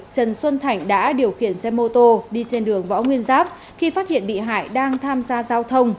trần xuân thạnh đã điều khiển xe mô tô đi trên đường võ nguyên giáp khi phát hiện bị hại đang tham gia giao thông